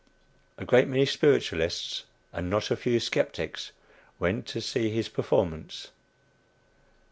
A great many spiritualists and not a few "skeptics" went to see his performance.